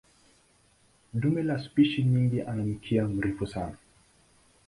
Dume la spishi nyingi ana mkia mrefu sana.